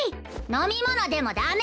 飲み物でもダメ！